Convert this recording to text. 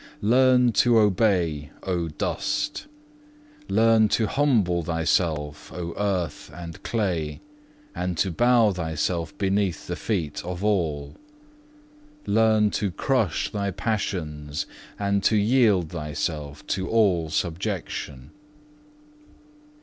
Learn to obey, O dust! Learn to humble thyself, O earth and clay, and to bow thyself beneath the feet of all. Learn to crush thy passions, and to yield thyself in all subjection.